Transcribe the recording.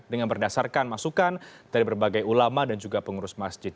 dengan berdasarkan masukan dari berbagai ulama dan juga pengurus masjid